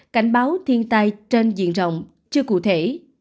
cảnh báo thiên tai trên diện rộng chưa cụ thể